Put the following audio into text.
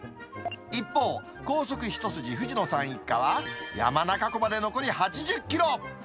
一方、高速一筋藤野さん一家は、山中湖まで残り８０キロ。